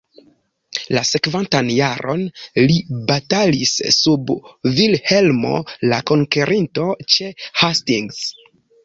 La sekvantan jaron li batalis sub Vilhelmo la Konkerinto ĉe Hastings.